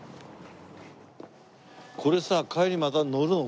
これさ帰りまた上るの？